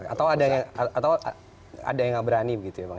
atau ada yang nggak berani begitu ya bang